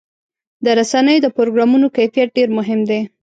د رسنیو د پروګرامونو کیفیت ډېر مهم دی.